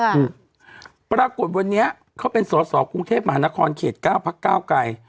อืมปรากฏวันนี้เขาเป็นสอสอกรุงเทพมหานครเขตเก้าพักเก้าไกร